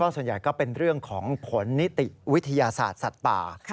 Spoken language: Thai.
ส่วนใหญ่ก็เป็นเรื่องของผลนิติวิทยาศาสตร์สัตว์ป่า